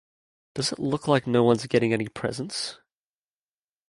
Does it look like no one's getting any presents?